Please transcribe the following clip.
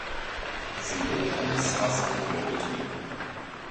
Sie wurde als Wassermühle betrieben.